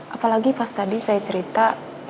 apalagi pas tadi saya cerita